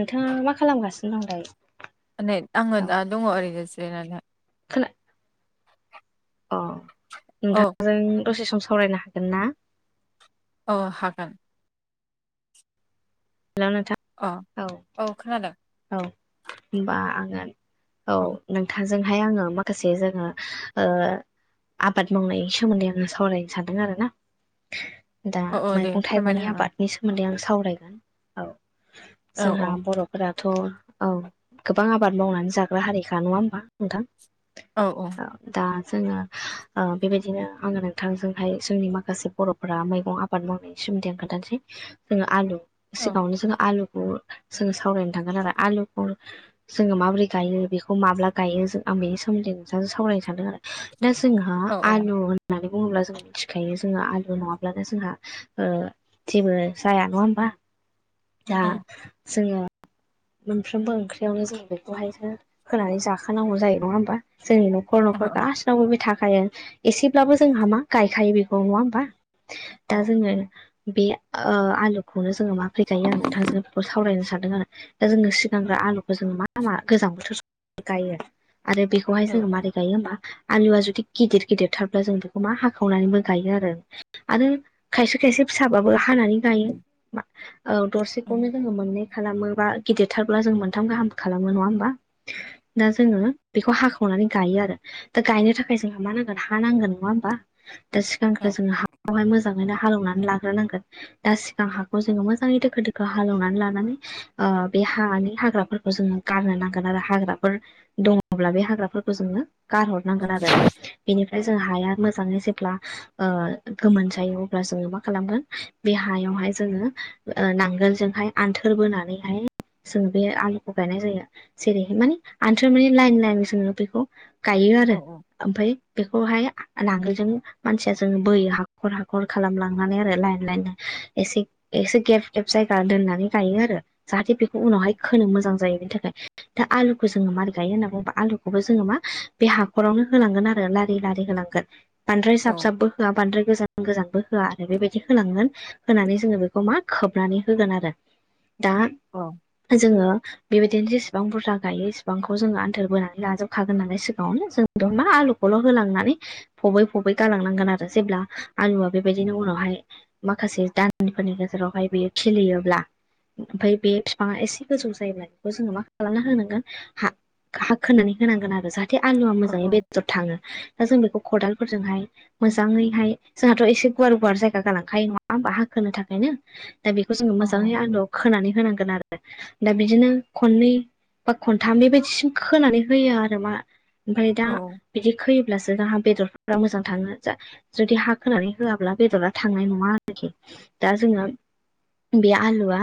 नोंथाङा मा खालामगासिनो दं दायो नै आङो दा दङ ओरैनो जिरायनानै। थोन [unintelligible] [inaudible] अ' औ नोंथांजों दसे सम सावरायनो हागोन ना? औ हागोन। हेल' नोंथां। अ' औ खोनादों। औ होनबा आगोन औ नोंथां। जोंहाय आङो माखासे जोङो ओ आबाद मावनायनि सोमोन्दै आङो सावरायनो सानदों आरो ना। दा औ औ दे मैगं थाइगंनि फोरमायनो हागोन आबाद। नि सोमोन्दै आं सावरायगोन औ औ औ जोंहा बर'फोरा थ' औ गोबां आबाद मावनानै जाग्रा हारिखा नङा होमबा नोंथां। औ - औ। दा जोङो बेबायदिनो आं थोंजोंहाय जोंनि माखासे बर'फोरा मैगं आबाद मावनायनि सोमोन्दआ खोनथानोसै जोङो आलु औ सिगाङावनो जोङो आलुखौ जोङो सावरायनो थांगोन आरो आलुखौ जोङो माबोरै गायो बेखौ माब्ला गायो जों आं बेनि सोमोन्दै नोंथांजों सावरायनो सानदों आरो। दा जोंहा औ आलु होननानै बुङोब्ला जों मिथिखायो जोङो आलु नङाब्लानो जोंहा ओ जेबो जाया नङा होमबा। दा जोङो मोनफ्रोमबो ओंख्रियावनो जों बेखौहायसो होनानै जाखानांगौ जायो नङा होमबा जोंनि न' न'खर न'खर गासिनावबो बे थाखायो एसेब्लाबो जोंहा मा गायखायो बेखौ नङा होमबा। दा जोङो बे ओ आलुखौनो जोङो मा फैखायो आं नोंथांजों बेखौ सावरायनो सानदों आरो। जोङो सिगांग्रो आलुखौ जोङो मा मा गोजां बोथोर गायो आरो बेखौ बेखौहाय जोङो माबोरै गायो होमबा आलुआ जुदि गिदिर गिदिर थारब्ला जों बेखौ मा हाखावनानैबो गायो आरो आरो खायसे खायसे फिसाबाबो हानानै गायो। औ दरसेखौनो उम जोङो मोननै खालामो बा गिदिरथारब्ला जों मोनथाम गाहाम खालामो नङा होमबा। दा जोङो बेखौ हाखावनानै गायो आरो दा गायनो थाखाय जोंहा मा नांगोन हा नांगोन नङा होमबा। दा सिगांग्रो जोङो हाखौहाय मोजाङैनो हालेवनानै लाग्रोनांगोन दा सिगां हाखौ जोङो मोजां मोनि दोखो दोखो हालेवनानै लानानै ओ बे हानि हाग्राफोरखौ जोङो गाननो नांगोन आरो हाग्राफोर दङब्ला बे हाग्राफोरखौ जोंनो गारहरनांगोन आरो। बेनिफ्राय जों हाया मोजाङै जेब्ला ओ गोमोन जायो अब्ला जोङो मा खालामगोन बे हायावहाय जोङो ओ नांगोलजोंहाय आन्थोर बोनानैहाय जों बे आलुखौ गायनाय जायो। जेरैहाय माने आन्थो मानि लाइन लाइन जों बेखौ गायो आरो। ओहो ओमफ्राय बेखौहाय नांगोलजों मानसिया जोङो बोयो हाखर हाखर खालामलांनानै आरो लायन लायनो एसे एसे गेब गेब जायगा दोननानै गायो आरो जाहाथे बेखौ औ उनावहाय खोनो मोजां जायो बेनि थाखाय दा आलुखौ जोङो मारै गायो होनना बुङोबा आलुखौबो जोङो मा बे हाखरावनो होलांगोन आरो लारि लारि होनांगोन। बांद्राय जाब जाबबो होआ बांद्राय गोजान गोजानबो होआ आरो बेबायदि होलांगोन होनानै जोङो बेखौ मा खोबनानै होगोन आरो दा औ। जोङो बेबायदिनो जेसेबां बुरजा गायो इसिबांखौ जोङो आन्थोर बोनानै लाजोबखागोन होनालाय सिगाङावनो जों दंना आलुखौल' होलांनानै फबै फबै गालांनांगोन आरो जेब्ला आलुआ बेबायदिनो उनावहाय माखासे दानफोरनि गेजेरावहाय बियो खिलियोब्ला ओमफ्राय बे बिफाङा एसे गोजौ जायोब्ला बेखौ जोङो मा खालामना होनांगोन? हा हा खोननानै होनांगोन आरो जाहाथे आलुआ मोजाङै बेदर थाङो दा जों बेखौ खदालफोरजोंहाय मोजाङैहाय जोंहाथ' एसे गुवार गुवार जायगा गालांखायो नङा हब हाखोनो थाखायनो। दा बेखौ जोङो उम मोजाङै आलोआव खोनानै होनांगोन आरो। दा बिदिनो खननै बा खनथाम बेबायदिसिम खोनानै होयो आरो मा। ओमफ्राय दा औ बिदि खैयोब्लासो जोंहा बेदरफ मोजां थाङो। जुदि हा खोनानै होआब्ला बेदरा थांनाय नङा आरोखि दा जोङो बे आलुआ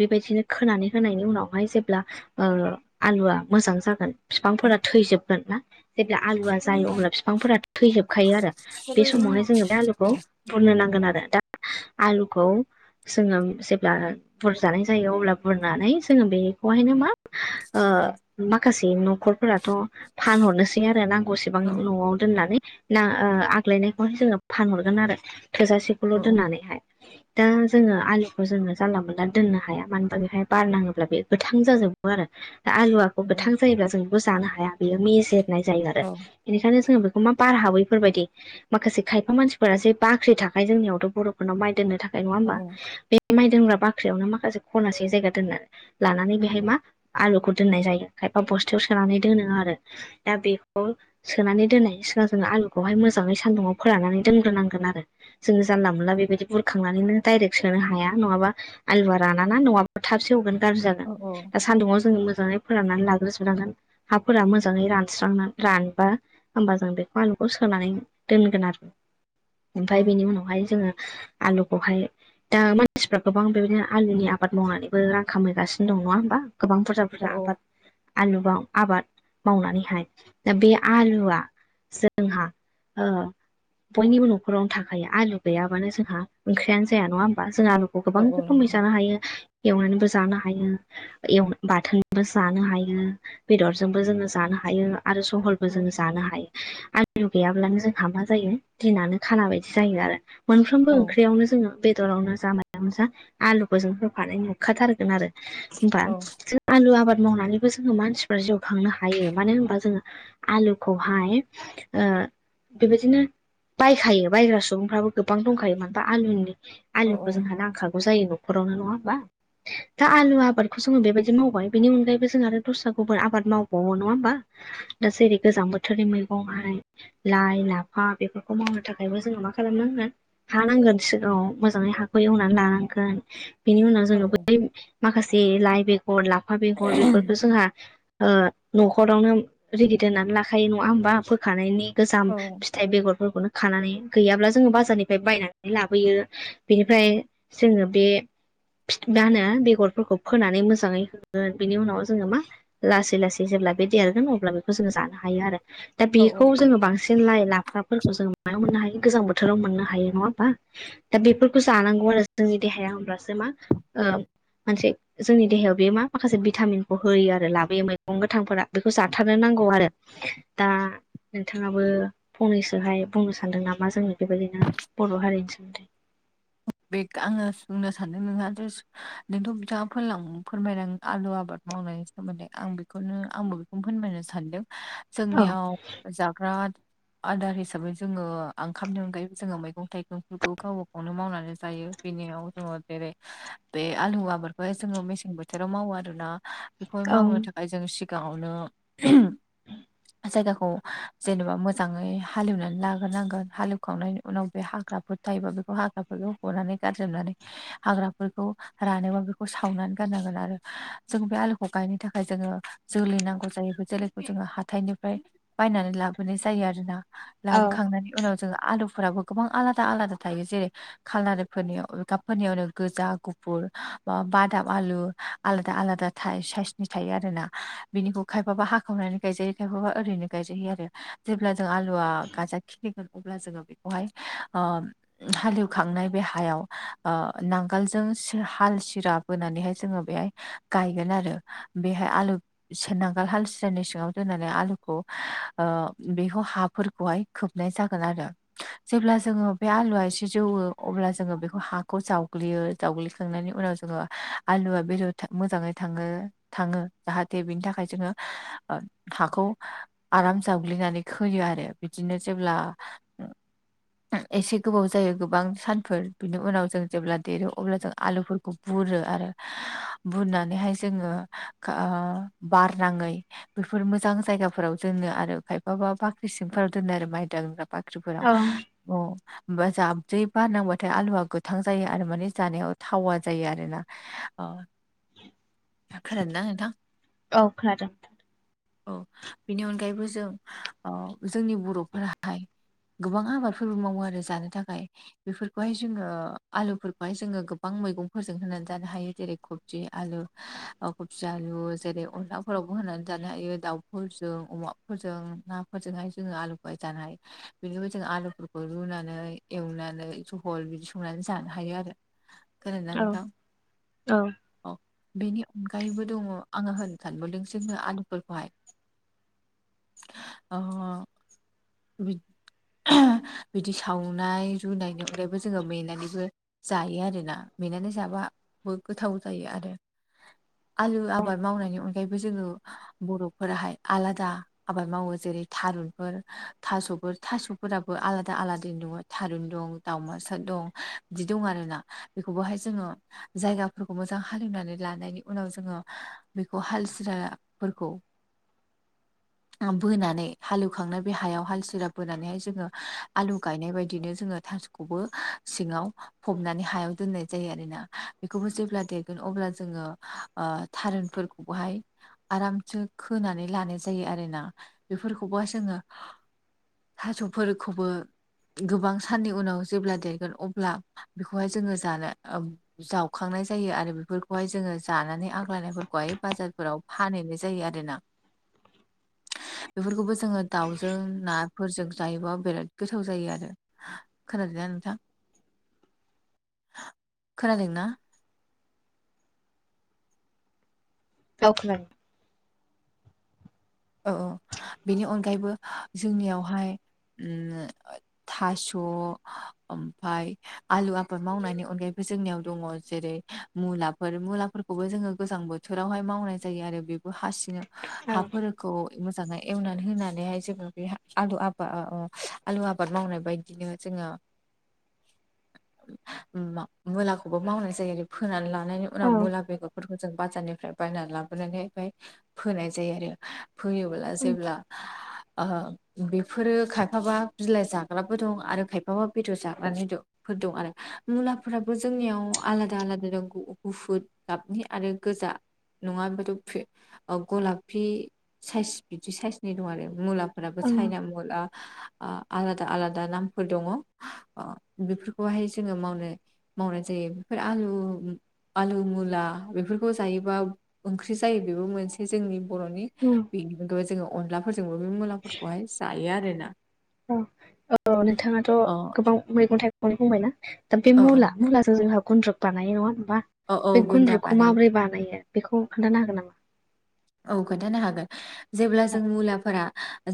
बेबायदिनो खोनानै होनायनि उनावहाय जेब्ला, ओ आलुआ मोजां जागोन औ बिफांफोरा थैजोबगोन ना? जेब्ला आलुआ औ जायो अब्ला बिफांफोरा थैजोबखायो आरो औ बे समावहाय जोङो बे आलुखौ बुरनो नांगोन आरो दा आलुखौ जोङो जेब्ला बुरजानाय जायो अब्ला बुरनानै जोङो बेखौहायनो मा? ओ माखासे न'खरफोराथ' फानहरनोसै आरो ना। गसेबां औ न'आव दोननानै आग्लायनायखौाय जोङो फानहरगोन आरो, थोजासे सल दोन्नानैहाय। दा जोङो आलिुखौ जोङो जानला मोनला दोननो हाया मानो होनबा बेहाय बारनाङोब्ला बे गोथां जाजोबो आरो। आलुवाखौ गोथां जायोब्ला जोंबो जानो हाया बेयो मेजेरनाय जायो आरो। बेनिखायनो जोङो बेखौ मा बार हाबोैफोरबायदि। माखासे खायफा मानसिफोरा जे बाख्रि थाखाय जोंनियावथ' बर'फोरनाव माइ दोननो थाखाय नङा होमबा? बे माइ दोनग्रा बाख्रियावनो माखासे खनासे जायगा दोननानै। लानानै बेहाय मा आलुखौ दोननाय जायो खायफा बस्थायाव सोनानै दोनो आरो। दा बेखौ सोनानै दोननाय सिगां जोंना आलुखौहाय मोजाङै सान्दुुंङाव फोरानानानै दोनग्रोनांगोन आरो। जोङो जानला मोनला बेबायदि बुरखां बुरखांनानैनो दडायरेक्ट सोनो हाया नङाबा आुवााना ना नङाबा थाबसे हगोन गाज्रि जागोन दा सान्दुङाव जोङो मोजाङै फोराननानै लाग्रोजोबनांगोन। हाफोरा मोजाङै रानस्रांनानै रानबा होमबा जों बेखौ आलुखौ सोनानै दोनगोन आरो, ओमफ्राय बेनि उनावहाय जोङो आलुखौहाय दा मानसिफ्रा गोबां बेबायदिनो आलुनि आबाद मावनानैबो रां खामहैगासिनो दं नङा होमबा? गोबां बुरजा फुरा आबाद आलु आबाद मावनानैहाय दा बे आलुआ जोंहा बयनिबो न'खरावनो थाखायो आलु गैयाबानो जोंहा ओंख्रियानो जाया नङा होमबा जों आलुखौ गोबां रोखोमै जानो हायो एवनानैबो जानो हायो। बाथोनबो जानो हायो बेदरजोंबो जोङो जानो हायो आरो जहल जों जानो हायो आलिु गैयाब्लानो जोंहा मा जायो दिनानो खाना बायदि जायो आरो। मोनफ्रोमबो ओंख्रियावनो जोङो बेदरावनो जा मायावानो जा आलुखौ जों होफानाय नुखाथारगोन आरो। होमबा जों आलु आबाद मावनानैबो जोङो मानसिफ्रा जिउ खांनो हायो मानो होनबा जोङो आलुखौहाय ओ बेबायदिनो बायखायो बायग्रा सुबुंफ्राबो गोबां दंखायो मान बा आलुनि आलुखौ जोंहा नांखागौ जायो न'खरावनो नङा होमबा? दा आलु आबादखौ जोङो बेबायदि मावबाय बेनि अनगायैबो जों आरो दस्रा गुबुन आबाद मावबावो नङा होमबा? दा जेरै गोजां बोथोरनि मैगं थाइगं लाइ लाफा बेफोरखौ मावनो थाखायबो जोङो मा खालामनांगोन? हानांगोन सिगाङाव मोजाङै हाखौ एवनानै लानांगोन बेनि उनाव जोङो बै माखासे लाइ बेगर लाफा बेगर बेफोरखौ जोंहा न'खरावनो रेदि दोननानै लाखायो नङा होमबा फोखानायनि गोजाम औ फिथाइ बेगरफोरखौनो खानानै गैयाब्ला जोङो बाजारनि ओमफाय बायनानै लाबोयो बेनिफ्राय जोङो बे फिथ बा होनो बेगरफोरखौ फोनानै मोजाङै होगोन बिनि उनाव जोङो मा लासै लासै जेब्ला बे देरगोन अब्ला बेखौ जों जानो हायो आरो। दा औ बेखौ जोङो बांसिन लाइ लाफाफोरखौ जोङो माबायाव मोननो हायो गोजां बोथोराव मोननो हायो। नङा होमबा? दा बेफोरखौ जानांगौ आरो जोंनि देहाया होमब्लासो मा ओ मोनसे जोंनि देहायाव बे मा माखासे भिटामिनखौ होयो आरो लाबोयो मैगं गोथांफोरा बेखौ जाथारनो नांगौ आरो। दा नोंथाङाबो फंनैसोहाय बुंनो सानदों नामा जों बेबायदिनो फा [unintelligible] बे आङो बुंनो सानदों नोंहाथ' नोंथ' बिथाङा फोनलां फोरमायदों आलु आबाद। मावनायनि सोमोन्दै आं बेखौनो आंबो बेखौनो फोनमायनो सानदों औ जोंनियाव जाग्रा आ आदार हिसाबै जोङो आंखामनि अनगायैबो जोङो मैगं थाइगंफोरखौ गावो वनो मावनानै जायो बेनियाव जोङो बेरै बे आलु आबादखौहाय जोङो मेसें बोथ थोराव मावो आरोना बेखौ औ मावनो थाखाय जों सिगाङावनो जायगाखौ जेनेबा मोजाङै हालेवनानै लाग्रोनांगोन, हालेवखांनायनि उनाव बे हाग्रा फोर थायोबा बेखौ हाग्राफोरखौ हनानै गारजोबनानै हाग्राफोरखौ रानोबा बेखौ सावनानै गाननांगोन आरो जों बे आलुखौ गायनो थाखाय जोङो जोलै नांगौ जायो बे जोलैखौ जोङो हाथाइनिफ्राय बायनानै लाबोनाय जा औ लाबोखांनायनि उनाव जोङो आलुफोराबो गोबां आलादा आलादा थायो जेरै खालारिफोरनियाव गाबफोरनियावनो गोजा गुफुर बा बादाब आलु। आलादा आलादा था साइसनि थायो आरोना बिनिखौ खायफाबा हाखावनानै गायजायो। खायफबा ओरैनो गायजहयो। आरो जेब्ला जों आलुवआ गाजा खिलिगोन अब्ला जोङो बेखौहाय ओ हालेवखांनाय बे हायाव ओ नांगोलजों सि हाल सिरा बोनानैहाय जोङो बेहाय गायगोन आरो बेहाय आलु सो नांगाल हालसिरनि सिङाव दोननानै आलुखौ ओ बेखौ हाफोरखौहाय खोबनाय जागोन आरो जेब्ला जोङो बे आलुवा एसे जौवो अब्ला जोङो बेखौ हाखौ जावग्लियो जावग्लिखांनायनि उनाव जोङो आलुआ बेदर था मोजाङै थाङो। थाङो जाहाथे बिनि थाखाय जोङो हाखौ आराम जावग्लिनानै खोयो आरो बिदिनो जेब्ला एसे गोबाव जायो गोबां सानफोर बिनि उनाव जों जेब्ला देरो अब्ला जों आलुफोरखौ बुरो आरो बुरनानैहाय जोङो ओ बारना बेफोर मोजां जायगाफोराव दोनो आरो खायफाबा बाख्रि सिमफोराव दोनो आरो माइ दांग्रा बाख्रि ख्रिफोरा औ [unintelligible] जाब जै बारनांबाथाय आलुआ गोथां जायो आरो माने जानायाव थावा जायो आरोना। अ खोनादोना नोंथां? औ खोनादों। औ बेनि अनगायैबो जों अ जोंनि बर'फोराहाय गोबां आबादफोरबो मावो आरो जानो थाखाय। बेफोरखौहाय जोङो आलुफोरखौहाय जोङो गोबां मैगंफोरजों होनानै जानो हायो जेरै ख थि आलु ओ खफि आलु जेरै अनलाफोरावबो होनानै जानो हायो दाउफोरजों अमा फोरजों नाफोरजोंहाय जोङो आलु बाय जानाय बेनिबाय जोङो आलुफोरखौ रूनानै एवनानै जहल बिदि संनानै जानो हायो आरो। खोनादोंना औ नोंथां? औ अ बेनि अनगायैबो दङ आङो होनो सानबावदों जोङो आलुफोरखौहाय अ बिथ बिदि सावनाय रुनायनि अनगायैबो जोङो मेनानैबो जायो आरोना मेनानै जाबाबो गोथाव जायो आरो। आलु आबाद मावनायनि अनगायैबो जोङो बर'फोराहाय आलादा आबाद मावो जेरै थारुनफोर थास'फोर थास'फोराबो आलादा दा आलादै दङ थारुन दं दावउमासार दं बिदि दं आरोना बेखौबोहाय जोङो जायगाफोरखौ मोजां हालेवनानै लानायनि उनाव जोङो बेखौ हाल सिरा फोरखौ ओ बोनानै हालौवखांनाय बे हायाव हाल सिरा बोनानैहाय जोङो आलु गायनाय बायदिनो जोङो थास'खौबो सिङाव फबनानै हायाव दोननाय जायो आरोना। बेखौबो जेब्ला देरगोन अब्ला जोङो ओ थारुनफोरखौबोहाय आरामसो खोनानै लानाय जायो आरोना बेफोरखौबो जोङो थास'फोरखौबो गोबां साननि उनाव जेब्ला देरगोन अब्ला बेखौहाय जोङो जानो ओ जावखांनाय जायो आरो बेफोरखौहाय जोङो जानानै आग्लनायफोरखौहाय बाजारफोराव फानहैनाय जायो आरोना। बेफोरखौबो जोङो दाउजों नाफोरजों जायोबा बिराद गोथाव जायो आरो खोनादोंना नोंथां? खोनादोंना? औ खोनादों। औ औ बेनि अनगायैबो जोंनियावहाय उम थास' ओमफाय आलु आबाद मावनायनि अनगायैबो जोंनियाव दङ जेरै मुलाफोर मुलाफोरखौबो जोङो गोजां बोथोरावहाय मावनाय जायो आरो बेबो हासिनो औ। खौ मोजाङै एवनानै होनानैहाय जोङो बे आलु आबा आलु आबाद मावनाय बाय दिनो जोङो उम मा मुलाखौबो मावनाय जायो आरो फोनानै लानायनि उनाव औ मुला बेगरफोरखौ जों बाजारनिफ्राय बायनानै लाबोनानै ओमफाय फोनाय जायो आरो। फोयोब्ला जेब्ला ओहो बेफोरो खायफाबा बिलाइ जाग्राबो दं आरो खायफाबा बेदर जाग्रानि दं। फोर दं आरो मुलाफोराबो जोंनियाव आलादा आलादा [unintelligible] गुफुर गाबनि आरो गोजा नङाबाथ' [unintelligible] ओ गलाफि साइस बिदि साइसनि दं आरो मुलाफोराबो औ सायना मु [unintelligible] ओ आलादा आलादा नामफोर दङ। अ बेफोरखौहाय जोङो मावनो मावनाय जायो बेफोर आलु आलु मुला बेफोरखौ जायोबा ओंख्रि जायो बेबो मोनसे जोंनि बर'नि उम। [unintelligible] जोङो अनलाफोरजोंबो बे मुलाफोरखौहाय जायो आरोना। औ औ नोंथाङाथ' अ गोबां मैगं थाइगंनि बुंबायना। दा बे औ मुला मुलाजों जोंहा गुन्द्रुक बानायो नङा होनबा औ औ बे गुन्दा गुन्द्रुकखौ बानाय माबोरै बानायो? बेखौ खोन्थानो हागोन नामा? औ खोन्थानो हागोन। जेब्ला जों मुलाफोरा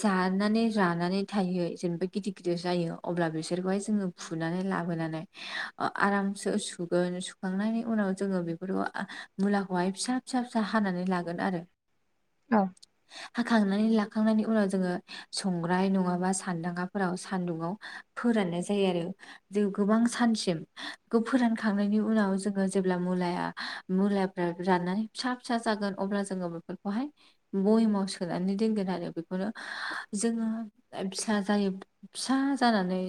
जानानै रानानै थायो जेनेबा गिदिर गिदिर जायो अब्ला बिसोरखौहाय जोङो फुनानै लाबोनानै ओ आरामसो सुगोन सु खांनायनि उनाव जोङो बेफोरखौ आ मुलाखौहाय फिसा फिसा फिसा हानानै लागोन आरो। औ। हाखांनानै लाखांनायनि उनाव जोङो संग्राय नङाबा सान्दांगाफोराव सान्दुंङाव फोराननाय जायो आरो। जों गोबां सानसिम बेखौ फोरानखांनायनि उनाव जोङो जेब्ला मुलाया मुलाफ्रा राननानै फिसा फिसा जागोन अब्ला जोङो बेफोरखौहाय बयेमाव सोनानै दोनगोन आरो बेफोरो जोङो ओ फिसा जायो फिसा जानानै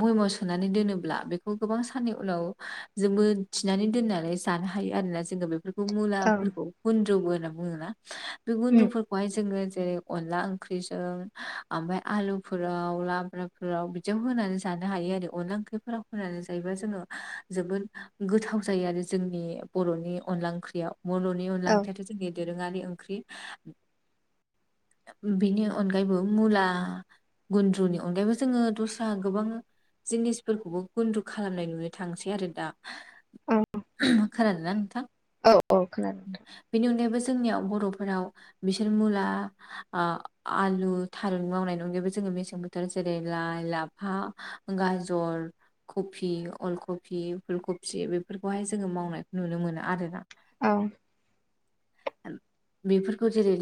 बयेमाव सोनानै दोनोब्ला बेखौ गोबां साननि उनाव जोबो थिनानै दोननानै जानो हायो आरोना जोङो बेफोर खौ औ मुलाफोरखौ गुन्द्रुबो होनना बुङोना बे गुन्द्रुफोरखौहाय जोङो जेरै अनला ओंख्रिजों ओमफाय आलु फोराव लाब्राफोराव बिदियाव होनानै जानो हायो आरो। अनला ओंख्रिफोराव होनानै जायोबा जोङो जोबोद गोथाव जायो आरो जोंनि अ बर'नि अनला ओख्रियाव बर'नि अनदला औ ओंख्रियाथ' जोंनि दोरोङारि ओंख्रि बिनि अनगायैबो मुला गुन्द्रुनि अनगायैबो जोङो दस्रा गोबां जिनिसफोरखौबो गुन्दु खालामनाय नुनो थांसै आरो दा औ खोनादोंना नोंथां औ औ खोनादों नोंथां बेनि अनगायैबो जोंनियाव बर'फोराव बिसोर मुला ओ आलु थारुन मावनाय अनगायैबो जोङो मेसें बोथोर जेरै लाइ लाफ फा गाजर कफि अलकफि फुल कफि बेफोरखौहाय जोङो मावनायखौ नुनो मोनो आरोना औ बेफोरखौ जेरै